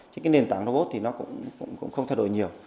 trên nền tảng robot thì nó cũng không thay đổi nhiều